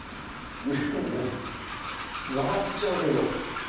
笑っちゃうけど。